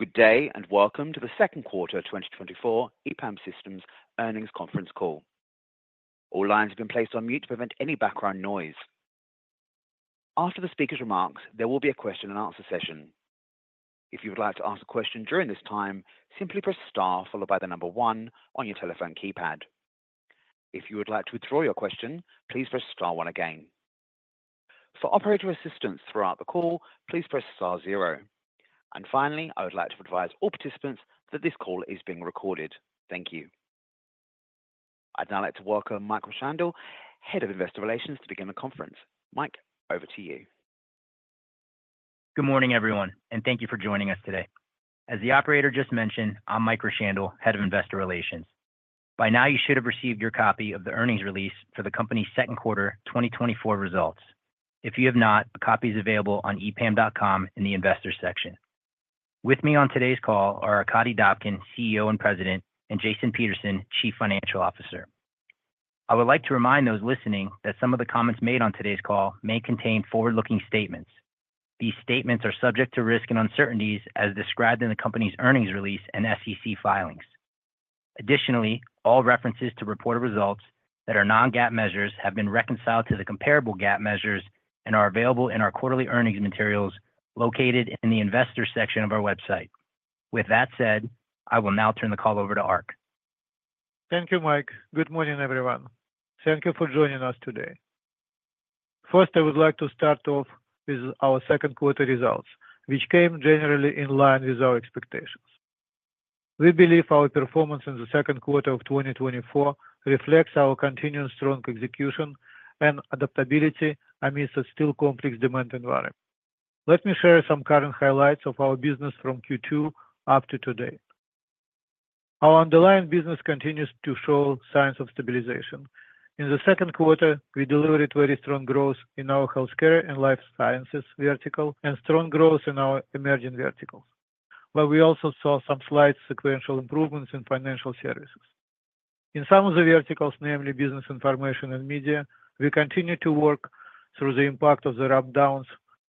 Good day and welcome to the second quarter 2024 EPAM Systems Earnings Conference call. All lines have been placed on mute to prevent any background noise. After the speaker's remarks, there will be a question-and-answer session. If you would like to ask a question during this time, simply press star followed by the number 1 on your telephone keypad. If you would like to withdraw your question, please press star 1 again. For operator assistance throughout the call, please press star 0. And finally, I would like to advise all participants that this call is being recorded. Thank you. I'd now like to welcome Mike Rashandal, Head of Investor Relations, to begin the conference. Mike, over to you. Good morning, everyone, and thank you for joining us today. As the operator just mentioned, I'm Mike Rashandal, Head of Investor Relations. By now, you should have received your copy of the earnings release for the company's second quarter 2024 results. If you have not, a copy is available on EPAM.com in the Investor section. With me on today's call are Arkadiy Dobkin, CEO and President, and Jason Peterson, Chief Financial Officer. I would like to remind those listening that some of the comments made on today's call may contain forward-looking statements. These statements are subject to risk and uncertainties as described in the company's earnings release and SEC filings. Additionally, all references to reported results that are non-GAAP measures have been reconciled to the comparable GAAP measures and are available in our quarterly earnings materials located in the Investor section of our website. With that said, I will now turn the call over to Ark. Thank you, Mike. Good morning, everyone. Thank you for joining us today. First, I would like to start off with our second quarter results, which came generally in line with our expectations. We believe our performance in the second quarter of 2024 reflects our continued strong execution and adaptability amidst a still complex demand environment. Let me share some current highlights of our business from Q2 up to today. Our underlying business continues to show signs of stabilization. In the second quarter, we delivered very strong growth in our healthcare and life sciences vertical and strong growth in our emerging vertical. But we also saw some slight sequential improvements in financial services. In some of the verticals, namely business information and media, we continue to work through the impact of the rundowns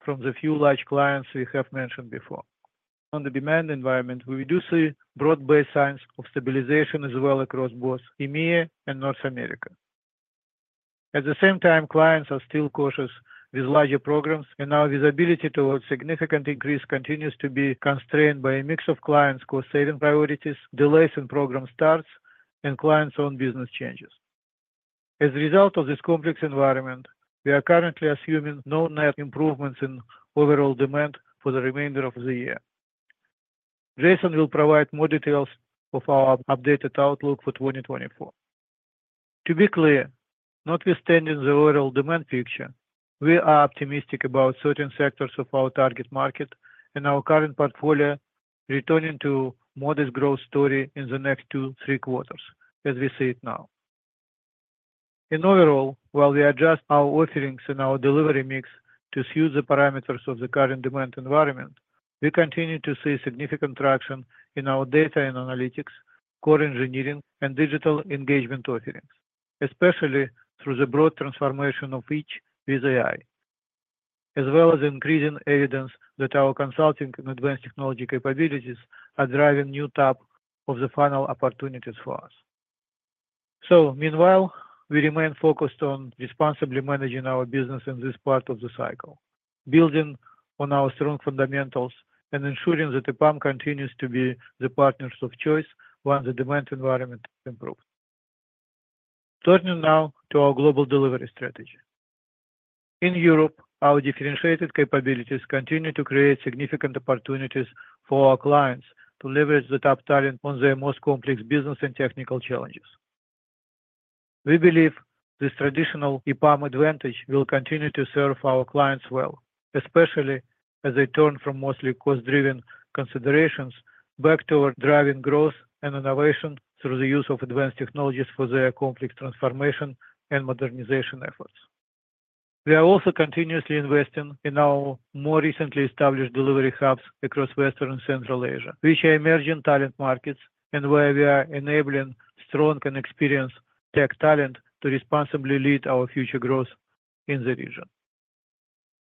from the few large clients we have mentioned before. On the demand environment, we do see broad-based signs of stabilization as well across both EMEA and North America. At the same time, clients are still cautious with larger programs, and our visibility towards significant increase continues to be constrained by a mix of clients' cost-saving priorities, delays in program starts, and clients' own business changes. As a result of this complex environment, we are currently assuming no net improvements in overall demand for the remainder of the year. Jason will provide more details of our updated outlook for 2024. To be clear, notwithstanding the overall demand picture, we are optimistic about certain sectors of our target market and our current portfolio returning to modest growth story in the next two to three quarters, as we see it now. In overall, while we adjust our offerings and our delivery mix to suit the parameters of the current demand environment, we continue to see significant traction in our data and analytics, core engineering, and digital engagement offerings, especially through the broad transformation of each with AI, as well as increasing evidence that our consulting and advanced technology capabilities are driving new types of the final opportunities for us. So, meanwhile, we remain focused on responsibly managing our business in this part of the cycle, building on our strong fundamentals and ensuring that EPAM continues to be the partners of choice once the demand environment improves. Turning now to our global delivery strategy. In Europe, our differentiated capabilities continue to create significant opportunities for our clients to leverage the top talent on their most complex business and technical challenges. We believe this traditional EPAM advantage will continue to serve our clients well, especially as they turn from mostly cost-driven considerations back toward driving growth and innovation through the use of advanced technologies for their complex transformation and modernization efforts. We are also continuously investing in our more recently established delivery hubs across Western and Central Asia, which are emerging talent markets and where we are enabling strong and experienced tech talent to responsibly lead our future growth in the region.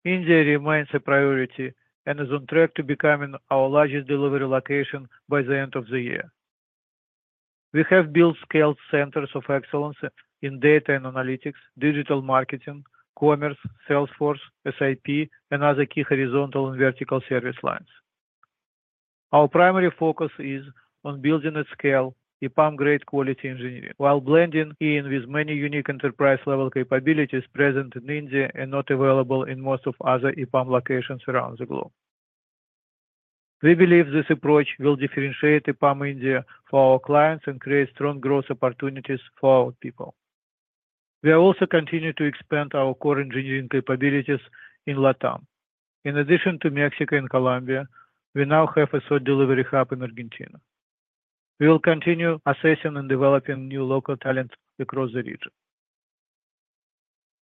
India remains a priority and is on track to becoming our largest delivery location by the end of the year. We have built scaled centers of excellence in data and analytics, digital marketing, commerce, Salesforce, SAP, and other key horizontal and vertical service lines. Our primary focus is on building at scale EPAM-grade quality engineering while blending in with many unique enterprise-level capabilities present in India and not available in most of other EPAM locations around the globe. We believe this approach will differentiate EPAM India for our clients and create strong growth opportunities for our people. We are also continuing to expand our core engineering capabilities in LATAM. In addition to Mexico and Colombia, we now have a third delivery hub in Argentina. We will continue assessing and developing new local talent across the region.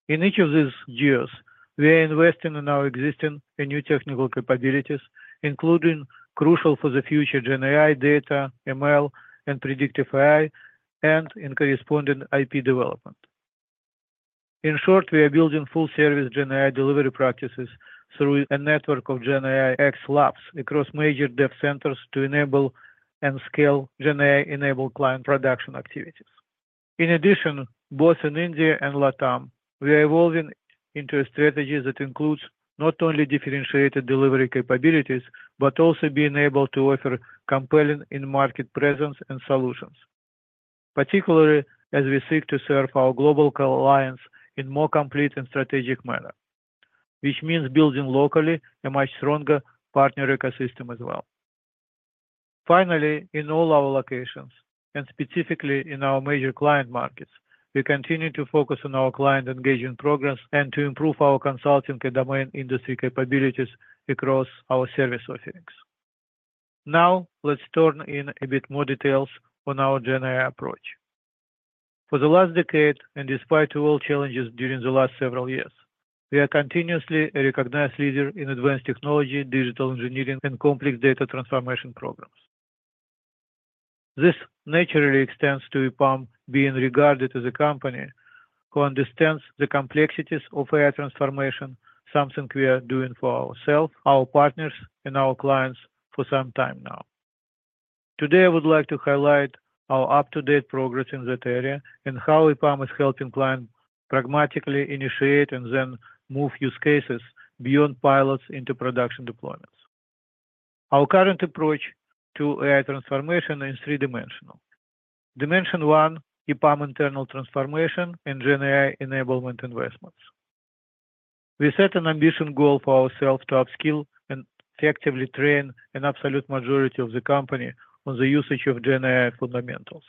In each of these geos, we are investing in our existing and new technical capabilities, including crucial for the future GenAI data, ML, and predictive AI, and in corresponding IP development. In short, we are building full-service GenAI delivery practices through a network of GenAI X labs across major dev centers to enable and scale GenAI-enabled client production activities. In addition, both in India and LATAM, we are evolving into a strategy that includes not only differentiated delivery capabilities, but also being able to offer compelling in-market presence and solutions, particularly as we seek to serve our global clients in a more complete and strategic manner, which means building locally a much stronger partner ecosystem as well. Finally, in all our locations, and specifically in our major client markets, we continue to focus on our client engagement progress and to improve our consulting and domain industry capabilities across our service offerings. Now, let's turn to a bit more details on our GenAI approach. For the last decade, and despite all challenges during the last several years, we are continuously a recognized leader in advanced technology, digital engineering, and complex data transformation programs. This naturally extends to EPAM being regarded as a company who understands the complexities of AI transformation, something we are doing for ourselves, our partners, and our clients for some time now. Today, I would like to highlight our up-to-date progress in that area and how EPAM is helping clients pragmatically initiate and then move use cases beyond pilots into production deployments. Our current approach to AI transformation is three-dimensional. Dimension one, EPAM internal transformation and GenAI enablement investments. We set an ambitious goal for ourselves to upskill and effectively train an absolute majority of the company on the usage of GenAI fundamentals,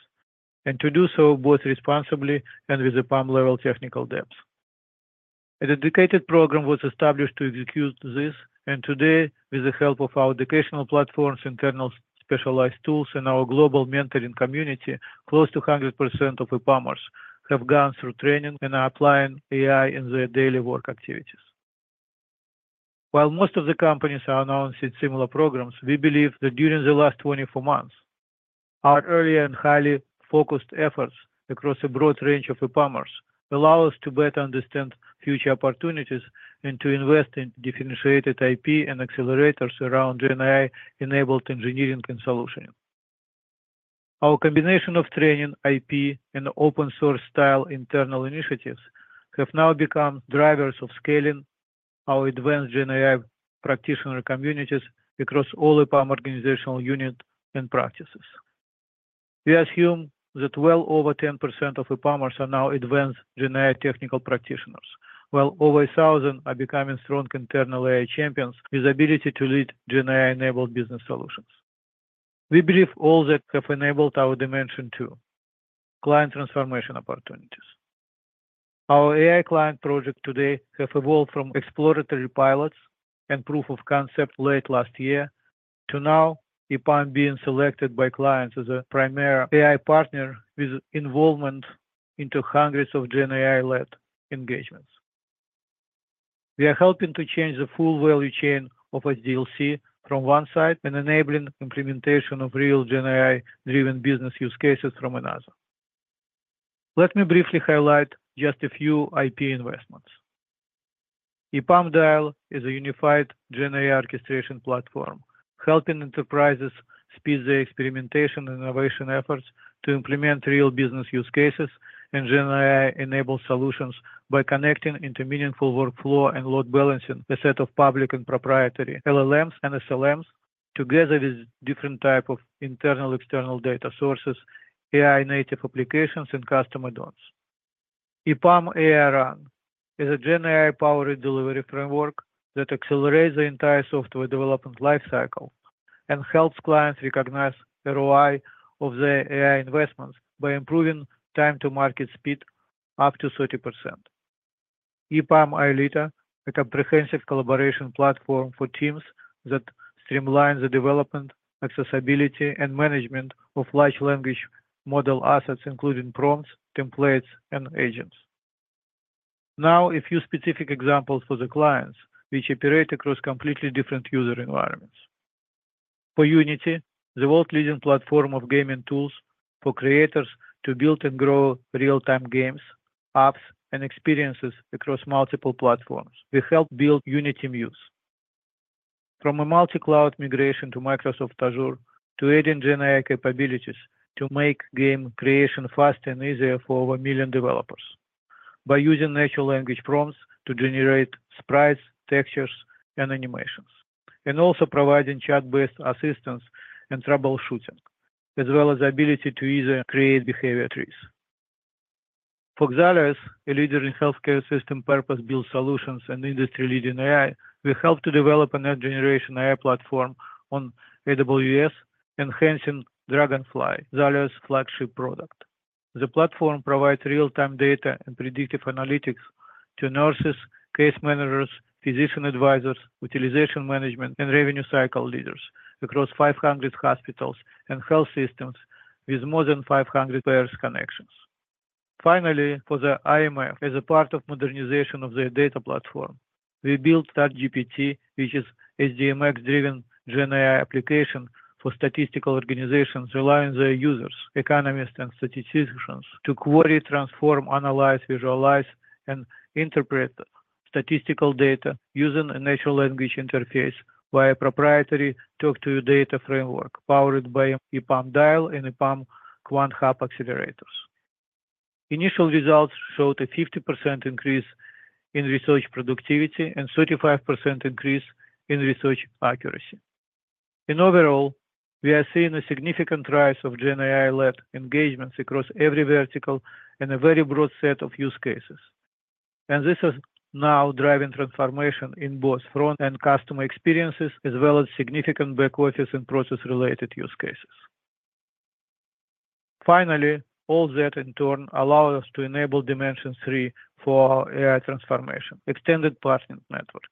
and to do so both responsibly and with EPAM-level technical depth. A dedicated program was established to execute this, and today, with the help of our educational platforms, internal specialized tools, and our global mentoring community, close to 100% of EPAMers have gone through training and are applying AI in their daily work activities. While most of the companies are announcing similar programs, we believe that during the last 24 months, our early and highly focused efforts across a broad range of EPAMers allow us to better understand future opportunities and to invest in differentiated IP and accelerators around GenAI-enabled engineering and solutions. Our combination of training, IP, and open-source-style internal initiatives have now become drivers of scaling our advanced GenAI practitioner communities across all EPAM organizational units and practices. We assume that well over 10% of EPAMers are now advanced GenAI technical practitioners, while over 1,000 are becoming strong internal AI champions with the ability to lead GenAI-enabled business solutions. We believe all that have enabled our Dimension Two client transformation opportunities. Our AI client projects today have evolved from exploratory pilots and proof of concept late last year to now EPAM being selected by clients as a primary AI partner with involvement into hundreds of GenAI-led engagements. We are helping to change the full value chain of SDLC from one side and enabling implementation of real GenAI-driven business use cases from another. Let me briefly highlight just a few IP investments. EPAM DIAL is a unified GenAI orchestration platform, helping enterprises speed their experimentation and innovation efforts to implement real business use cases and GenAI-enabled solutions by connecting interoperable workflow and load balancing a set of public and proprietary LLMs and SLMs together with different types of internal and external data sources, AI-native applications, and customer bots. EPAM AI Run is a GenAI-powered delivery framework that accelerates the entire software development lifecycle and helps clients recognize ROI of their AI investments by improving time-to-market speed up to 30%. EPAM Alita, a comprehensive collaboration platform for teams that streamlines the development, accessibility, and management of large language model assets, including prompts, templates, and agents. Now, a few specific examples for the clients, which operate across completely different user environments. For Unity, the world-leading platform of gaming tools for creators to build and grow real-time games, apps, and experiences across multiple platforms. We help build Unity Muse. From a multi-cloud migration to Microsoft Azure to adding GenAI capabilities to make game creation fast and easier for over a million developers by using natural language prompts to generate sprites, textures, and animations, and also providing chat-based assistance and troubleshooting, as well as the ability to easily create behavior trees. For Xalient, a leader in healthcare system purpose-built solutions and industry-leading AI, we help to develop a next-generation AI platform on AWS, enhancing Dragonfly, Xalient's flagship product. The platform provides real-time data and predictive analytics to nurses, case managers, physician advisors, utilization management, and revenue cycle leaders across 500 hospitals and health systems with more than 500 players' connections. Finally, for the IMF, as a part of modernization of their data platform, we built ChatGPT, which is an SDMX-driven GenAI application for statistical organizations, relying on their users, economists, and statisticians to query, transform, analyze, visualize, and interpret statistical data using a natural language interface via a proprietary talk-to-data framework powered by EPAM Dial and EPAM Quant Hub accelerators. Initial results showed a 50% increase in research productivity and a 35% increase in research accuracy. Overall, we are seeing a significant rise of GenAI-led engagements across every vertical and a very broad set of use cases. This is now driving transformation in both front-end customer experiences, as well as significant back-office and process-related use cases. Finally, all that in turn allows us to enable dimension three for our AI transformation, extended partnering network.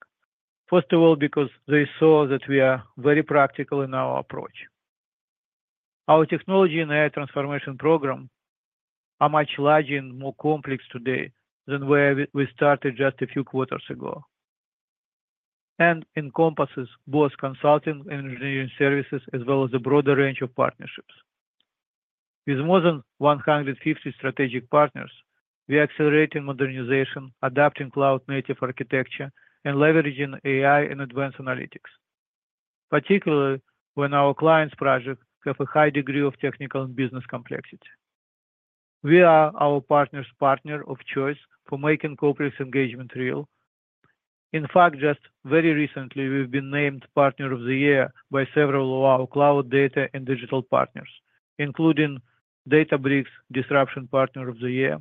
First of all, because they saw that we are very practical in our approach. Our technology and AI transformation program are much larger and more complex today than where we started just a few quarters ago, and encompasses both consulting and engineering services, as well as a broader range of partnerships. With more than 150 strategic partners, we are accelerating modernization, adapting cloud-native architecture, and leveraging AI and advanced analytics, particularly when our clients' projects have a high degree of technical and business complexity. We are our partner's partner of choice for making complex engagement real. In fact, just very recently, we've been named Partner of the Year by several of our cloud data and digital partners, including Databricks, Disruption Partner of the Year,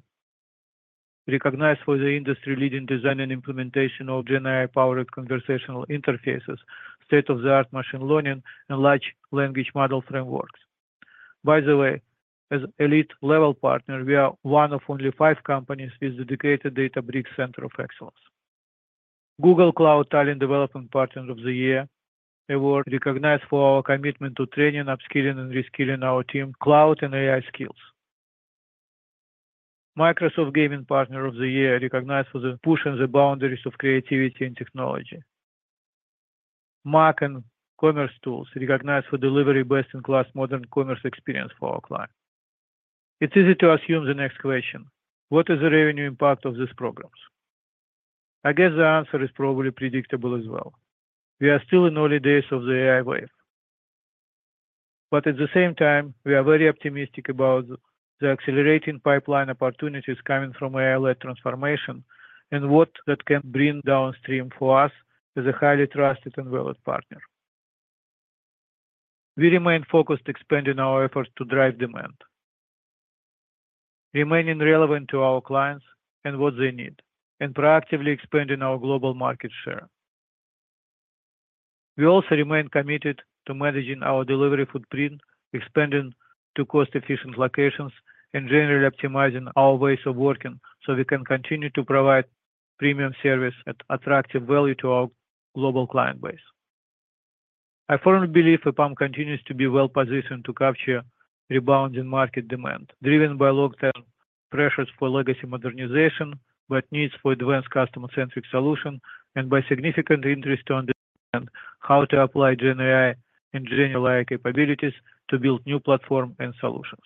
recognized for the industry-leading design and implementation of GenAI-powered conversational interfaces, state-of-the-art machine learning, and large language model frameworks. By the way, as an elite-level partner, we are one of only five companies with a dedicated Databricks Center of Excellence. Google Cloud Talent Development Partner of the Year award recognized for our commitment to training, upskilling, and reskilling our team's cloud and AI skills. Microsoft Gaming Partner of the Year recognized for the pushing the boundaries of creativity and technology. MACH and commercetools recognized for delivering best-in-class modern commerce experience for our clients. It's easy to assume the next question: what is the revenue impact of these programs? I guess the answer is probably predictable as well. We are still in the early days of the AI wave. But at the same time, we are very optimistic about the accelerating pipeline opportunities coming from AI-led transformation and what that can bring downstream for us as a highly trusted and valued partner. We remain focused on expanding our efforts to drive demand, remaining relevant to our clients and what they need, and proactively expanding our global market share. We also remain committed to managing our delivery footprint, expanding to cost-efficient locations, and generally optimizing our ways of working so we can continue to provide premium service at attractive value to our global client base. I firmly believe EPAM continues to be well-positioned to capture rebounding market demand, driven by long-term pressures for legacy modernization, by needs for advanced customer-centric solutions, and by significant interest in how to apply GenAI and GenAI capabilities to build new platforms and solutions.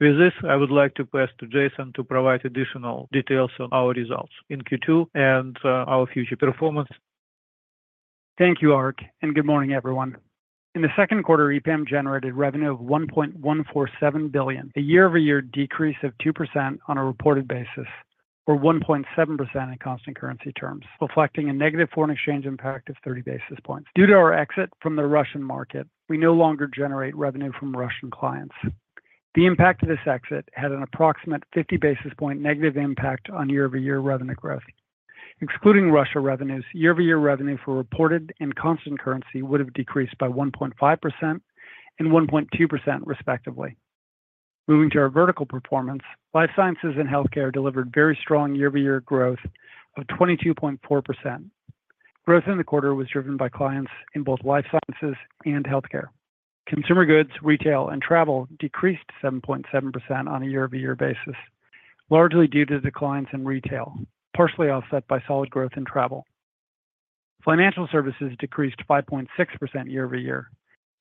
With this, I would like to pass to Jason to provide additional details on our results in Q2 and our future performance. Thank you, Ark, and good morning, everyone. In the second quarter, EPAM generated revenue of $1.147 billion, a year-over-year decrease of 2% on a reported basis, or 1.7% in constant currency terms, reflecting a negative foreign exchange impact of 30 basis points. Due to our exit from the Russian market, we no longer generate revenue from Russian clients. The impact of this exit had an approximate 50 basis point negative impact on year-over-year revenue growth. Excluding Russia revenues, year-over-year revenue for reported and constant currency would have decreased by 1.5% and 1.2%, respectively. Moving to our vertical performance, life sciences and healthcare delivered very strong year-over-year growth of 22.4%. Growth in the quarter was driven by clients in both life sciences and healthcare. Consumer goods, retail, and travel decreased 7.7% on a year-over-year basis, largely due to declines in retail, partially offset by solid growth in travel. Financial services decreased 5.6% year-over-year,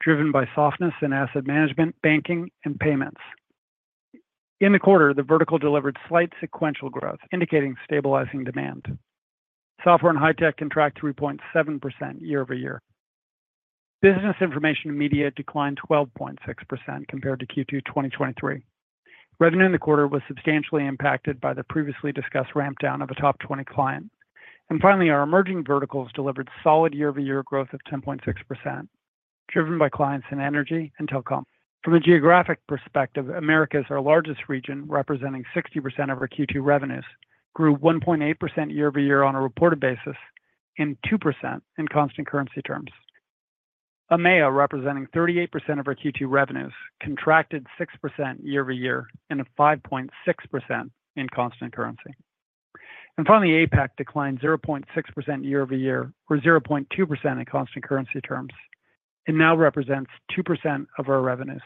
driven by softness in asset management, banking, and payments. In the quarter, the vertical delivered slight sequential growth, indicating stabilizing demand. Software and high-tech contracted 3.7% year-over-year. Business information and media declined 12.6% compared to Q2 2023. Revenue in the quarter was substantially impacted by the previously discussed ramp-down of a top 20 client. Finally, our emerging verticals delivered solid year-over-year growth of 10.6%, driven by clients in energy and telecom. From a geographic perspective, Americas, our largest region, representing 60% of our Q2 revenues, grew 1.8% year-over-year on a reported basis and 2% in constant currency terms. EMEA, representing 38% of our Q2 revenues, contracted 6% year-over-year and 5.6% in constant currency. And finally, APAC declined 0.6% year-over-year, or 0.2% in constant currency terms, and now represents 2% of our revenues.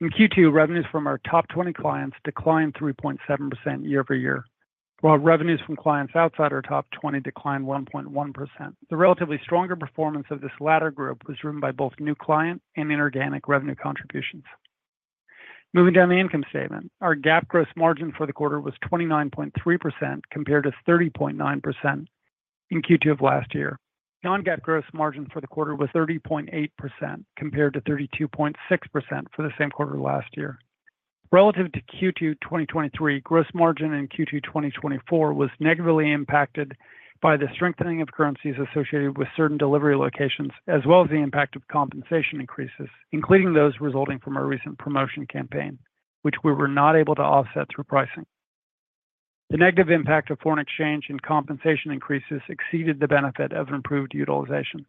In Q2, revenues from our top 20 clients declined 3.7% year-over-year, while revenues from clients outside our top 20 declined 1.1%. The relatively stronger performance of this latter group was driven by both new client and inorganic revenue contributions. Moving down the income statement, our GAAP gross margin for the quarter was 29.3% compared to 30.9% in Q2 of last year. Non-GAAP gross margin for the quarter was 30.8% compared to 32.6% for the same quarter last year. Relative to Q2 2023, gross margin in Q2 2024 was negatively impacted by the strengthening of currencies associated with certain delivery locations, as well as the impact of compensation increases, including those resulting from our recent promotion campaign, which we were not able to offset through pricing. The negative impact of foreign exchange and compensation increases exceeded the benefit of improved utilization.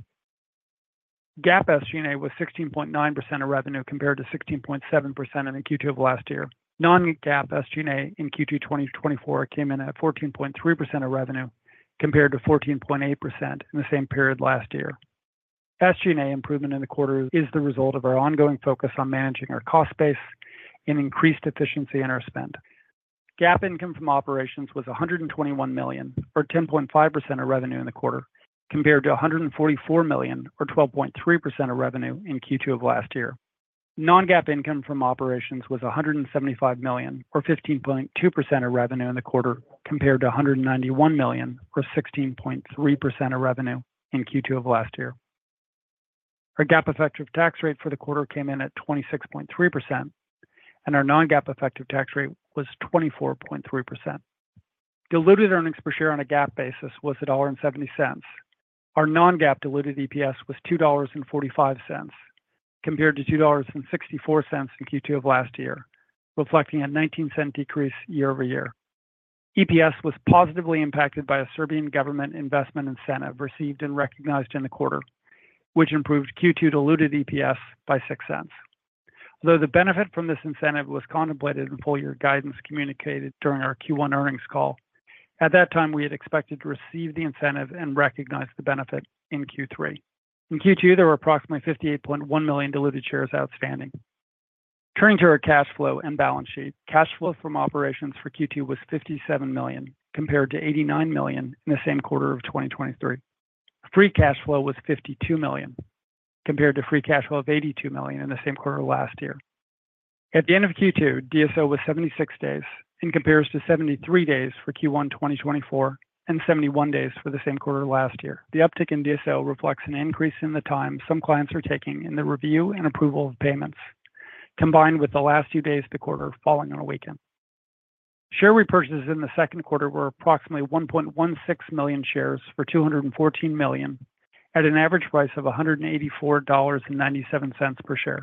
GAAP SG&A was 16.9% of revenue compared to 16.7% in Q2 of last year. Non-GAAP SG&A in Q2 2024 came in at 14.3% of revenue compared to 14.8% in the same period last year. SG&A improvement in the quarter is the result of our ongoing focus on managing our cost base and increased efficiency in our spend. GAAP income from operations was $121 million, or 10.5% of revenue in the quarter, compared to $144 million, or 12.3% of revenue in Q2 of last year. Non-GAAP income from operations was $175 million, or 15.2% of revenue in the quarter, compared to $191 million, or 16.3% of revenue in Q2 of last year. Our GAAP effective tax rate for the quarter came in at 26.3%, and our non-GAAP effective tax rate was 24.3%. Diluted earnings per share on a GAAP basis was $1.70. Our non-GAAP diluted EPS was $2.45 compared to $2.64 in Q2 of last year, reflecting a $0.19 decrease year-over-year. EPS was positively impacted by a Serbian government investment incentive received and recognized in the quarter, which improved Q2 diluted EPS by $0.06. Although the benefit from this incentive was contemplated in full-year guidance communicated during our Q1 earnings call, at that time, we had expected to receive the incentive and recognize the benefit in Q3. In Q2, there were approximately 58.1 million diluted shares outstanding. Turning to our cash flow and balance sheet, cash flow from operations for Q2 was $57 million compared to $89 million in the same quarter of 2023. Free cash flow was $52 million compared to free cash flow of $82 million in the same quarter last year. At the end of Q2, DSO was 76 days in comparison to 73 days for Q1 2024 and 71 days for the same quarter last year. The uptick in DSO reflects an increase in the time some clients are taking in the review and approval of payments, combined with the last few days of the quarter falling on a weekend. Share repurchases in the second quarter were approximately 1.16 million shares for $214 million at an average price of $184.97 per share.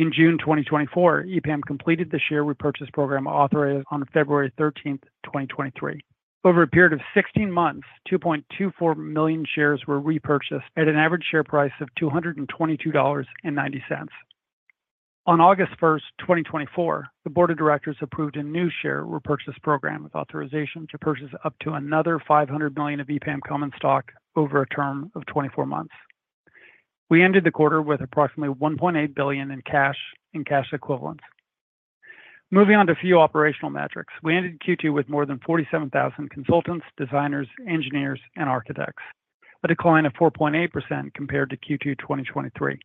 In June 2024, EPAM completed the share repurchase program authorized on February 13, 2023. Over a period of 16 months, 2.24 million shares were repurchased at an average share price of $222.90. On August 1, 2024, the Board of Directors approved a new share repurchase program with authorization to purchase up to another 500 million of EPAM Common Stock over a term of 24 months. We ended the quarter with approximately $1.8 billion in cash and cash equivalents. Moving on to few operational metrics, we ended Q2 with more than 47,000 consultants, designers, engineers, and architects, a decline of 4.8% compared to Q2 2023.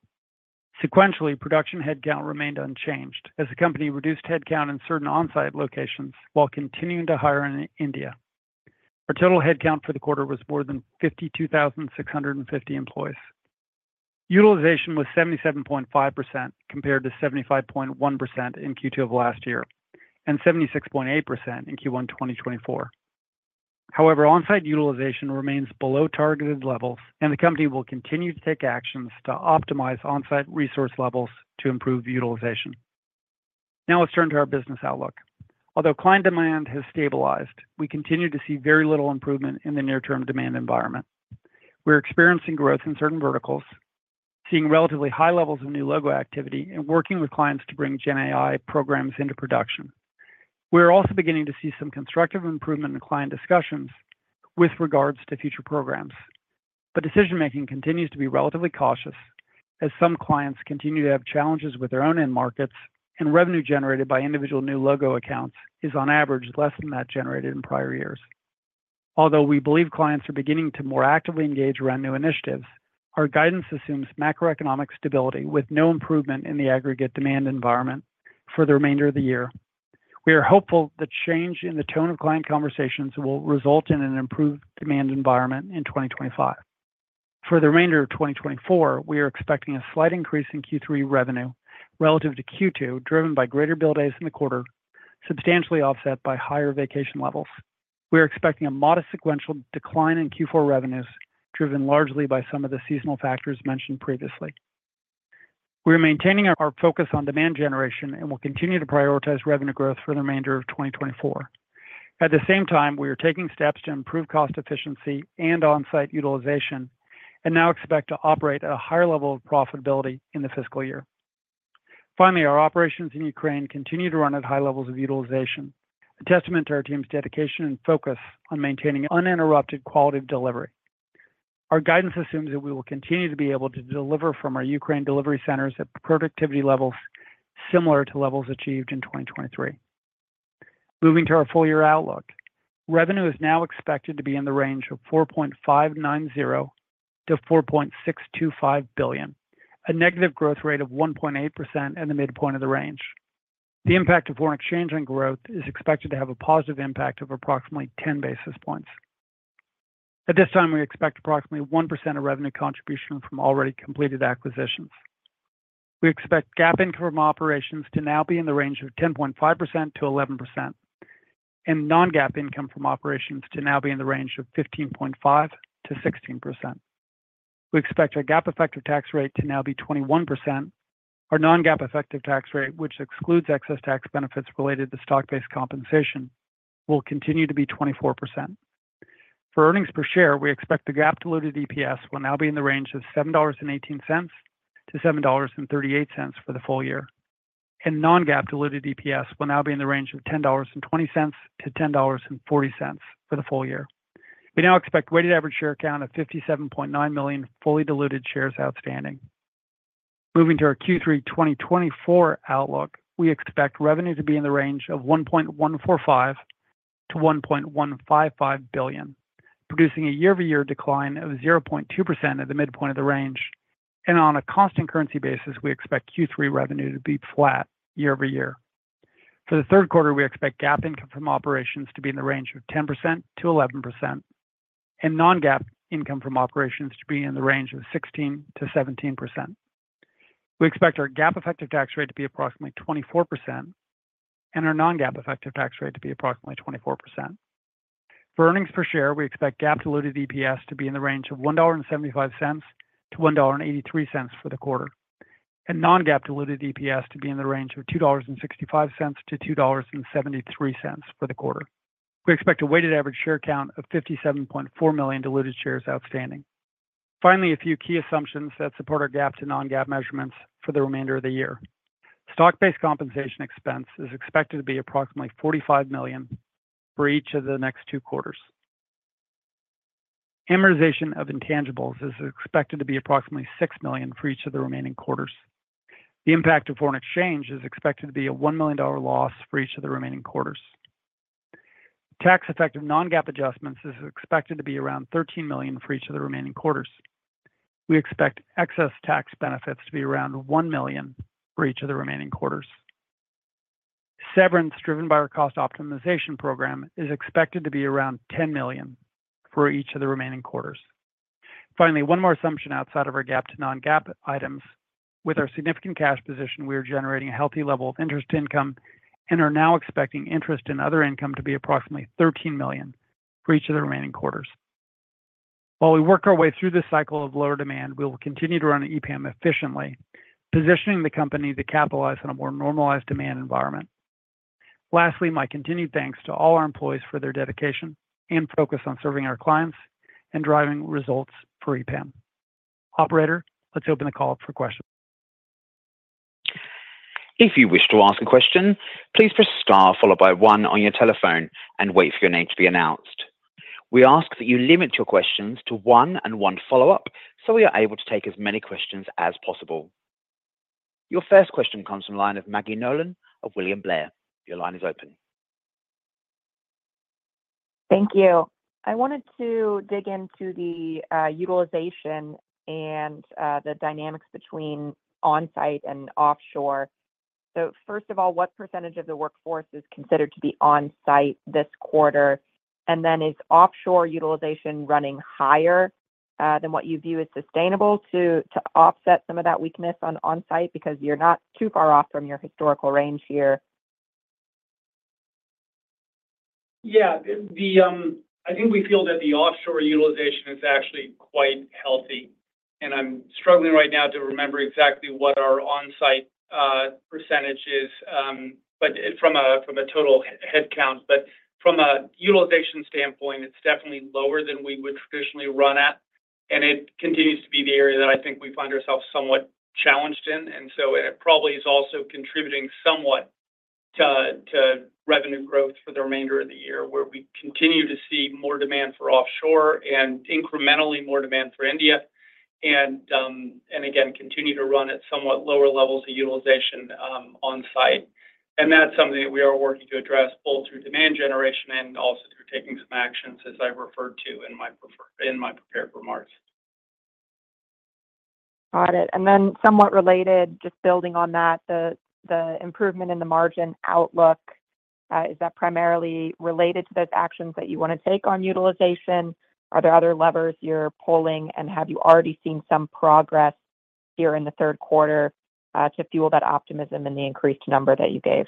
Sequentially, production headcount remained unchanged as the company reduced headcount in certain onsite locations while continuing to hire in India. Our total headcount for the quarter was more than 52,650 employees. Utilization was 77.5% compared to 75.1% in Q2 of last year and 76.8% in Q1 2024. However, onsite utilization remains below targeted levels, and the company will continue to take actions to optimize onsite resource levels to improve utilization. Now let's turn to our business outlook. Although client demand has stabilized, we continue to see very little improvement in the near-term demand environment. We're experiencing growth in certain verticals, seeing relatively high levels of new logo activity, and working with clients to bring GenAI programs into production. We're also beginning to see some constructive improvement in client discussions with regards to future programs. But decision-making continues to be relatively cautious as some clients continue to have challenges with their own end markets, and revenue generated by individual new logo accounts is, on average, less than that generated in prior years. Although we believe clients are beginning to more actively engage around new initiatives, our guidance assumes macroeconomic stability with no improvement in the aggregate demand environment for the remainder of the year. We are hopeful that change in the tone of client conversations will result in an improved demand environment in 2025. For the remainder of 2024, we are expecting a slight increase in Q3 revenue relative to Q2, driven by greater bill days in the quarter, substantially offset by higher vacation levels. We are expecting a modest sequential decline in Q4 revenues, driven largely by some of the seasonal factors mentioned previously. We are maintaining our focus on demand generation and will continue to prioritize revenue growth for the remainder of 2024. At the same time, we are taking steps to improve cost efficiency and onsite utilization and now expect to operate at a higher level of profitability in the fiscal year. Finally, our operations in Ukraine continue to run at high levels of utilization, a testament to our team's dedication and focus on maintaining uninterrupted quality of delivery. Our guidance assumes that we will continue to be able to deliver from our Ukraine delivery centers at productivity levels similar to levels achieved in 2023. Moving to our full-year outlook, revenue is now expected to be in the range of $4.590 billion-$4.625 billion, a negative growth rate of 1.8% at the midpoint of the range. The impact of foreign exchange on growth is expected to have a positive impact of approximately 10 basis points. At this time, we expect approximately 1% of revenue contribution from already completed acquisitions. We expect GAAP income from operations to now be in the range of 10.5%-11%, and non-GAAP income from operations to now be in the range of 15.5%-16%. We expect our GAAP effective tax rate to now be 21%. Our non-GAAP effective tax rate, which excludes excess tax benefits related to stock-based compensation, will continue to be 24%. For earnings per share, we expect the GAAP diluted EPS will now be in the range of $7.18-$7.38 for the full year, and non-GAAP diluted EPS will now be in the range of $10.20-$10.40 for the full year. We now expect weighted average share count of 57.9 million fully diluted shares outstanding. Moving to our Q3 2024 outlook, we expect revenue to be in the range of $1.145 billion-$1.155 billion, producing a year-over-year decline of 0.2% at the midpoint of the range. On a constant currency basis, we expect Q3 revenue to be flat year-over-year. For the third quarter, we expect GAAP income from operations to be in the range of 10%-11%, and non-GAAP income from operations to be in the range of 16%-17%. We expect our GAAP effective tax rate to be approximately 24%, and our non-GAAP effective tax rate to be approximately 24%. For earnings per share, we expect GAAP diluted EPS to be in the range of $1.75-$1.83 for the quarter, and non-GAAP diluted EPS to be in the range of $2.65-$2.73 for the quarter. We expect a weighted average share count of 57.4 million diluted shares outstanding. Finally, a few key assumptions that support our GAAP to non-GAAP measurements for the remainder of the year. Stock-based compensation expense is expected to be approximately $45 million for each of the next two quarters. Amortization of intangibles is expected to be approximately $6 million for each of the remaining quarters. The impact of foreign exchange is expected to be a $1 million loss for each of the remaining quarters. Tax effective non-GAAP adjustments is expected to be around $13 million for each of the remaining quarters. We expect excess tax benefits to be around $1 million for each of the remaining quarters. Severance driven by our cost optimization program is expected to be around $10 million for each of the remaining quarters. Finally, one more assumption outside of our GAAP to non-GAAP items. With our significant cash position, we are generating a healthy level of interest income and are now expecting interest in other income to be approximately $13 million for each of the remaining quarters. While we work our way through this cycle of lower demand, we will continue to run EPAM efficiently, positioning the company to capitalize on a more normalized demand environment. Lastly, my continued thanks to all our employees for their dedication and focus on serving our clients and driving results for EPAM. Operator, let's open the call for questions. If you wish to ask a question, please press star followed by one on your telephone and wait for your name to be announced. We ask that you limit your questions to one and one follow-up so we are able to take as many questions as possible. Your first question comes from the line of Maggie Nolan of William Blair. Your line is open. Thank you. I wanted to dig into the utilization and the dynamics between onsite and offshore. So first of all, what percentage of the workforce is considered to be onsite this quarter? And then is offshore utilization running higher than what you view as sustainable to offset some of that weakness on onsite because you're not too far off from your historical range here? Yeah, I think we feel that the offshore utilization is actually quite healthy. And I'm struggling right now to remember exactly what our onsite percentage is, but from a total headcount. But from a utilization standpoint, it's definitely lower than we would traditionally run at. And so it probably is also contributing somewhat to revenue growth for the remainder of the year, where we continue to see more demand for offshore and incrementally more demand for India. And again, continue to run at somewhat lower levels of utilization onsite. And that's something that we are working to address both through demand generation and also through taking some actions, as I've referred to in my prepared remarks. Got it. And then somewhat related, just building on that, the improvement in the margin outlook, is that primarily related to those actions that you want to take on utilization? Are there other levers you're pulling, and have you already seen some progress here in the third quarter to fuel that optimism and the increased number that you gave?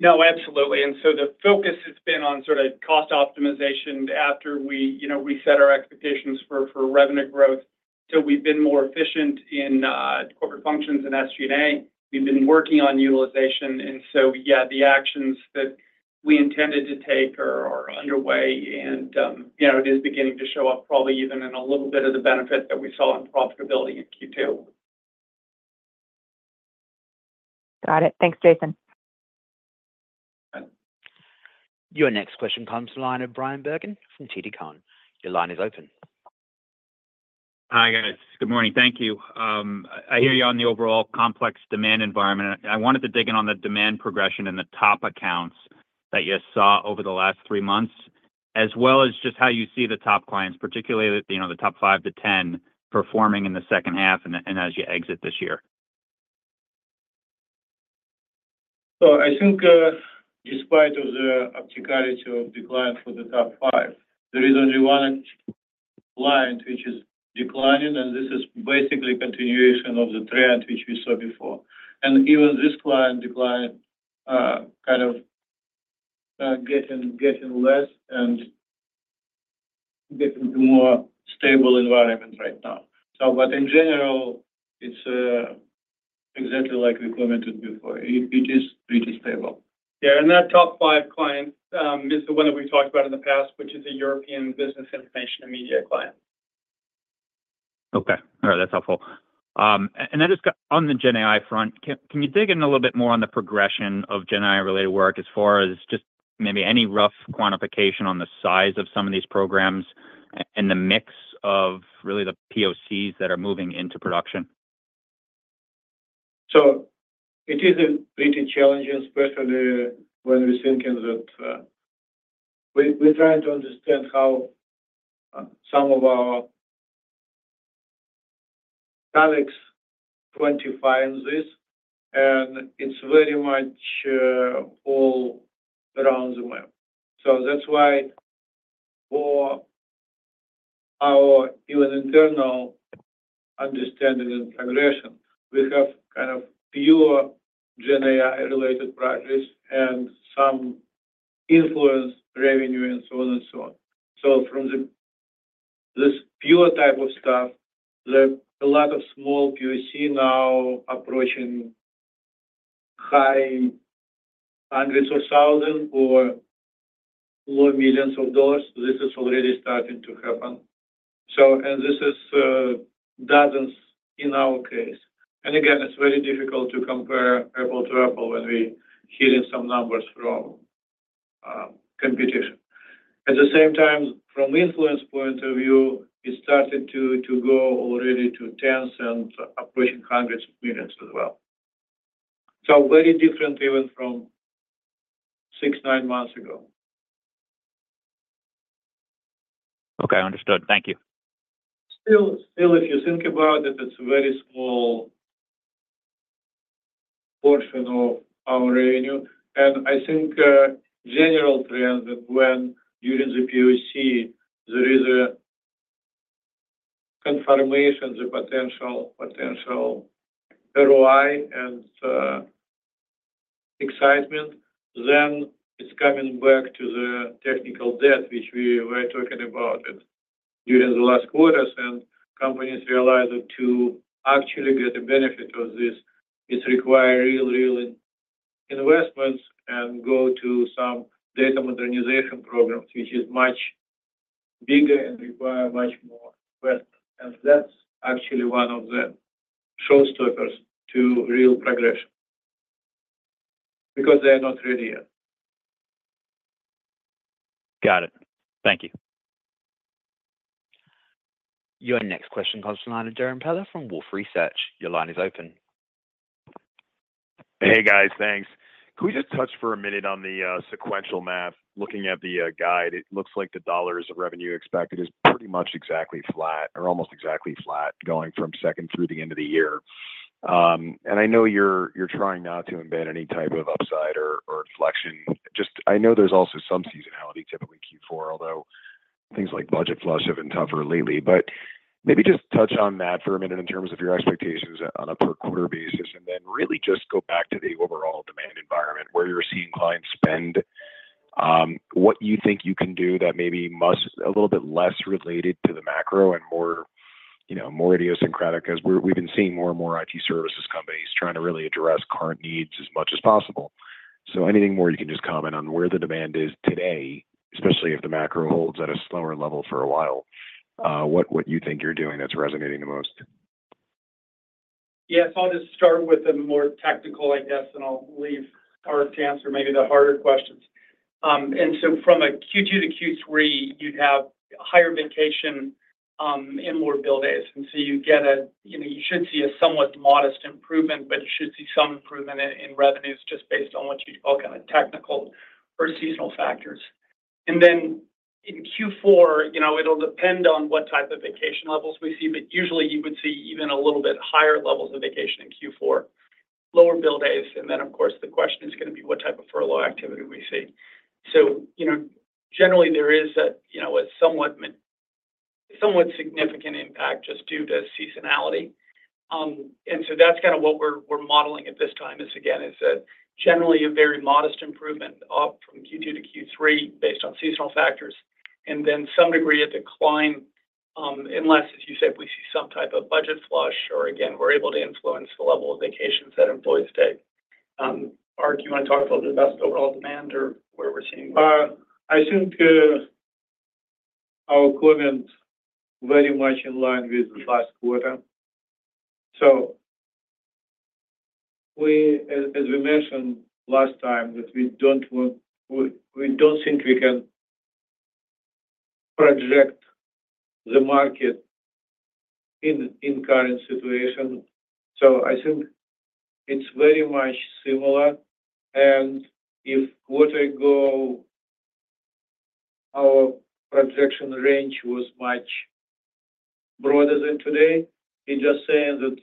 No, absolutely. And so the focus has been on sort of cost optimization after we set our expectations for revenue growth. So we've been more efficient in corporate functions and SG&A. We've been working on utilization. And so, yeah, the actions that we intended to take are underway, and it is beginning to show up probably even in a little bit of the benefit that we saw in profitability in Q2. Got it. Thanks, Jason. Your next question comes from the line of Brian Bergin from TD Cowen. Your line is open. Hi, guys. Good morning. Thank you. I hear you on the overall complex demand environment. I wanted to dig in on the demand progression and the top accounts that you saw over the last three months, as well as just how you see the top clients, particularly the top five to 10 performing in the second half and as you exit this year. So I think despite the uptick attitude of the client for the top five, there is only one client which is declining, and this is basically a continuation of the trend which we saw before. And even this client decline kind of getting less and getting to a more stable environment right now. But in general, it's exactly like we commented before. It is pretty stable. They are not top five clients. This is the one that we've talked about in the past, which is a European business information and media client. Okay. All right. That's helpful. And that is on the GenAI front. Can you dig in a little bit more on the progression of GenAI-related work as far as just maybe any rough quantification on the size of some of these programs and the mix of really the POCs that are moving into production? So it is a pretty challenging spectrum when we're thinking that we're trying to understand how some of our colleagues quantifying this, and it's very much all around the world. So that's why for our even internal understanding and progression, we have kind of pure GenAI-related projects and some influence revenue and so on and so on. So from this pure type of stuff, there are a lot of small POCs now approaching high hundreds of thousands or low $ millions. This has already started to happen. And this is dozens in our case. And again, it's very difficult to compare apples to apples when we're hearing some numbers from competition. At the same time, from an influence point of view, it started to go already to tens and approaching hundreds of $ millions as well. So very different even from 6, 9 months ago. Okay. Understood. Thank you. Still, if you think about it, it's a very small portion of our revenue. And I think the general trend that when you're in the POC, there is a confirmation, the potential ROI and excitement, then it's coming back to the technical debt, which we were talking about during the last quarters. And companies realize that to actually get a benefit of this, it requires real, real investments and go to some data modernization programs, which is much bigger and requires much more investments. And that's actually one of the showstoppers to real progression because they're not ready yet. Got it. Thank you. Your next question comes from Darrin Peller from Wolf Research. Your line is open. Hey, guys. Thanks. Can we just touch for a minute on the sequential math? Looking at the guidance, it looks like the dollars of revenue expected is pretty much exactly flat or almost exactly flat going from second through the end of the year. I know you're trying not to embed any type of upside or flexing. Just, I know there's also some seasonality, typically Q4, although things like budget flush have been tougher lately. Maybe just touch on that for a minute in terms of your expectations on a per quarter basis, and then really just go back to the overall demand environment where you're seeing clients spend, what you think you can do that maybe must be a little bit less related to the macro and more idiosyncratic because we've been seeing more and more IT services companies trying to really address current needs as much as possible. So anything more you can just comment on where the demand is today, especially if the macro holds at a slower level for a while, what you think you're doing that's resonating the most? Yeah, I'll just start with the more tactical, I guess, and I'll leave our chance for maybe the harder questions. And so from a Q2 to Q3, you'd have higher vacation in more billings. And so you should see a somewhat modest improvement, but you should see some improvement in revenues just based on what you call kind of technical or seasonal factors. And then in Q4, it'll depend on what type of vacation levels we see, but usually you would see even a little bit higher levels of vacation in Q4, lower bill base. And then, of course, the question is going to be what type of furlough activity we see. So generally, there is a somewhat significant impact just due to seasonality. And so that's kind of what we're modeling at this time is, again, generally a very modest improvement up from Q2 to Q3 based on seasonal factors, and then some degree of decline, unless, as you said, we see some type of budget flush or, again, we're able to influence the level of vacations that employees take. Do you want to talk about the best overall demand or where we're seeing? I think our outlook is very much in line with the last quarter. So we, as we mentioned last time, that we don't think we can project the market in current situation. So I think it's very much similar. And if you go, our projection range was much broader than today, it just says that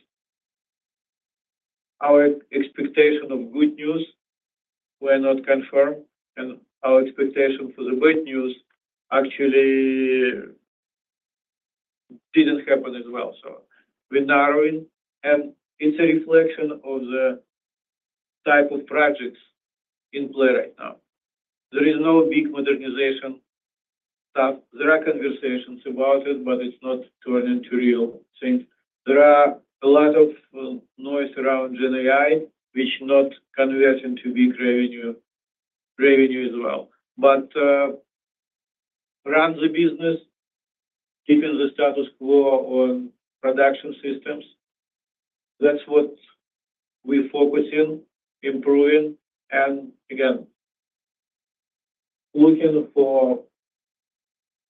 our expectation of good news were not confirmed, and our expectation for the bad news actually didn't happen as well. So we're narrowing, and it's a reflection of the type of projects in play right now. There is no big modernization. There are conversations about it, but it's not turning to real things. There are a lot of noise around GenAI, which not converting to big revenue as well. But run the business, keeping the status quo on production systems. That's what we're focusing, improving, and again, looking for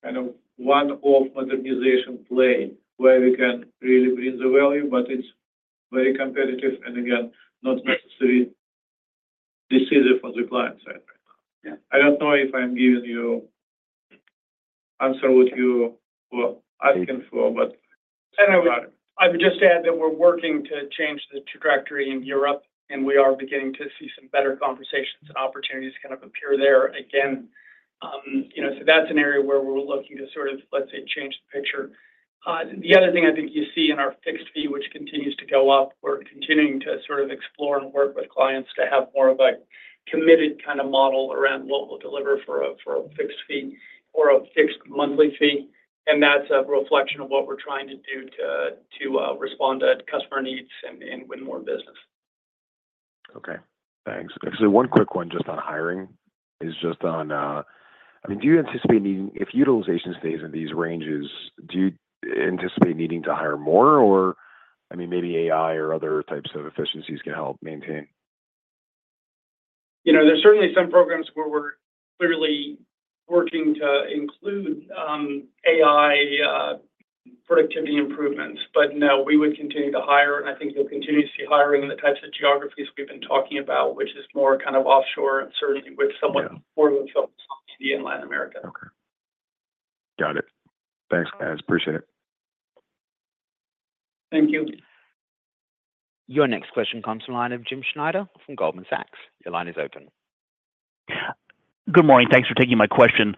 kind of one-off modernization play where we can really bring the value, but it's very competitive and again, not necessarily decisive on the client side. I don't know if I'm giving you answer what you were asking for, but I would just add that we're working to change the trajectory in Europe, and we are beginning to see some better conversations and opportunities kind of appear there again. So that's an area where we're looking to sort of, let's say, change the picture. The other thing I think you see in our fixed fee, which continues to go up, we're continuing to sort of explore and work with clients to have more of a committed kind of model around what we'll deliver for a fixed fee or a fixed monthly fee. And that's a reflection of what we're trying to do to respond to customer needs and win more business. Okay. Thanks. Actually, one quick one just on hiring is just on, I mean, do you anticipate needing, if utilization stays in these ranges, do you anticipate needing to hire more? Or I mean, maybe AI or other types of efficiencies can help maintain? There's certainly some programs where we're clearly working to include AI productivity improvements, but no, we would continue to hire, and I think we'll continue to see hiring in the types of geographies we've been talking about, which is more kind of offshore and certainly with somewhat more with some of the Indian and Latin American. Okay. Got it. Thanks, guys. Appreciate it. Thank you. Your next question comes from the line of Jim Schneider from Goldman Sachs. Your line is open. Good morning. Thanks for taking my question.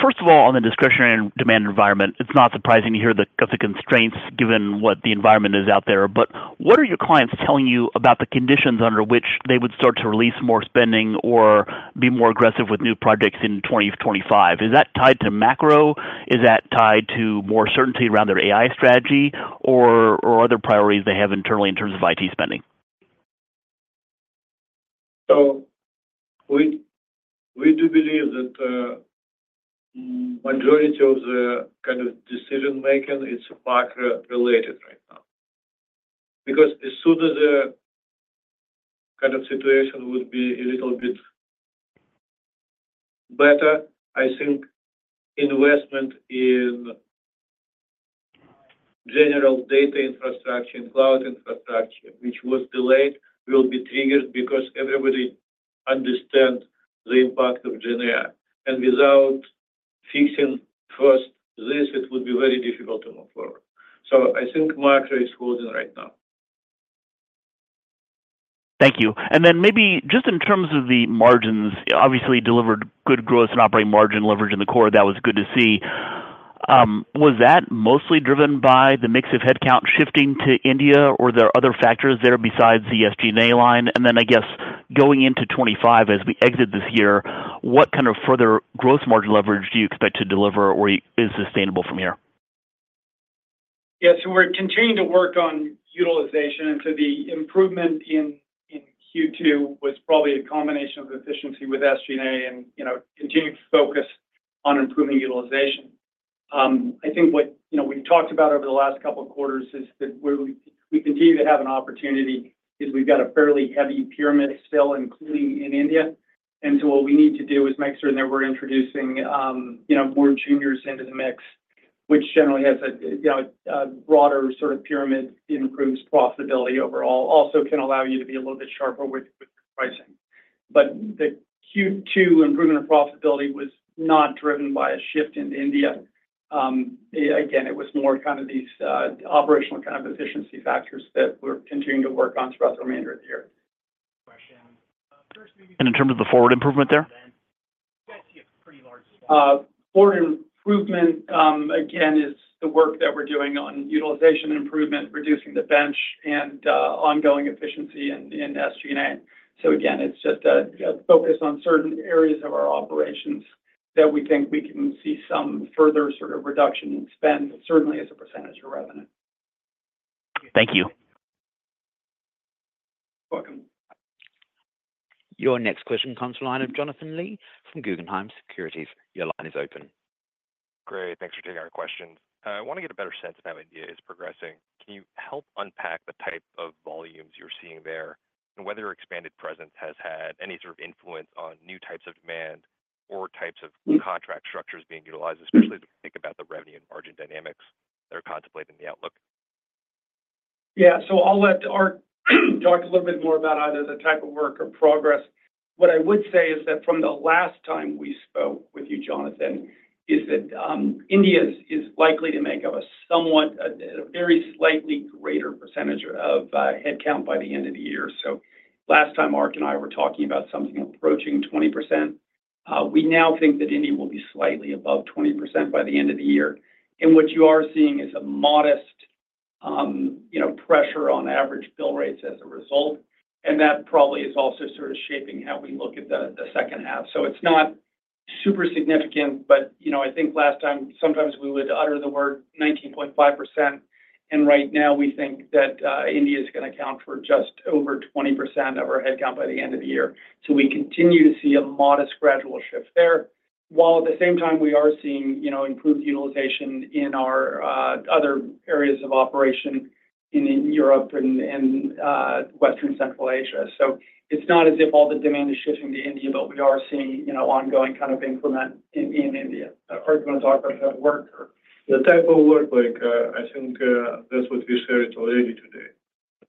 First of all, on the discretionary demand environment, it's not surprising to hear the constraints given what the environment is out there. But what are your clients telling you about the conditions under which they would start to release more spending or be more aggressive with new projects in 2025? Is that tied to macro? Is that tied to more certainty around their AI strategy or other priorities they have internally in terms of IT spending? So we do believe that the majority of the kind of decision-making, it's macro-related right now. Because as soon as the kind of situation would be a little bit better, I think investment in general data infrastructure and cloud infrastructure, which was delayed, will be triggered because everybody understands the impact of GenAI. And without fixing first this, it would be very difficult to move forward. So I think macro is holding right now. Thank you. And then maybe just in terms of the margins, obviously delivered good growth and operating margin leverage in the core. That was good to see. Was that mostly driven by the mix of headcount shifting to India, or are there other factors there besides the SG&A line? And then I guess going into 2025 as we exit this year, what kind of further gross margin leverage do you expect to deliver or is sustainable from here? Yeah. So we're continuing to work on utilization, and so the improvement in Q2 was probably a combination of efficiency with SG&A and continued focus on improving utilization. I think what we've talked about over the last couple of quarters is that we continue to have an opportunity because we've got a fairly heavy pyramid still including in India. So what we need to do is make sure that we're introducing more juniors into the mix, which generally has a broader sort of pyramid that improves profitability overall, also can allow you to be a little bit sharper with pricing. But the Q2 improvement of profitability was not driven by a shift into India. Again, it was more kind of these operational kind of efficiency factors that we're continuing to work on throughout the remainder of the year. Question. And in terms of the forward improvement there? Forward improvement, again, is the work that we're doing on utilization improvement, reducing the bench, and ongoing efficiency in SG&A. So again, it's just a focus on certain areas of our operations that we think we can see some further sort of reduction in spend, certainly as a percentage of revenue. Thank you. You're welcome. Your next question comes from the line of Jonathan Lee from Guggenheim Securities. Your line is open. Great. Thanks for taking our questions. I want to get a better sense of how India is progressing. Can you help unpack the type of volumes you're seeing there and whether expanded presence has had any sort of influence on new types of demand or types of contract structures being utilized, especially as we think about the revenue and margin dynamics that are contemplated in the outlook? Yeah. So I'll let Art talk a little bit more about either the type of work or progress. What I would say is that from the last time we spoke with you, Jonathan, is that India is likely to make a very slightly greater percentage of headcount by the end of the year. So last time Art and I were talking about something approaching 20%, we now think that India will be slightly above 20% by the end of the year. And what you are seeing is a modest pressure on average bill rates as a result. And that probably is also sort of shaping how we look at the second half. So it's not super significant, but I think last time sometimes we would utter the word 19.5%. And right now we think that India is going to account for just over 20% of our headcount by the end of the year. So we continue to see a modest gradual shift there. While at the same time we are seeing improved utilization in our other areas of operation in Europe and Western and Central Asia. So it's not as if all the demand is shifting to India, but we are seeing ongoing kind of increment in India. Ark's going to talk about the workforce. The type of work, I think that's what we shared already today.